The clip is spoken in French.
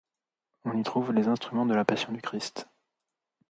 On y trouve les instruments de la Passion du Christ.